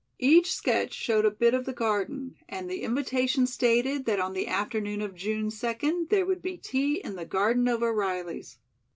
Each sketch showed a bit of the garden, and the invitations stated that on the afternoon of June second there would be tea in the Garden of O'Reilly's.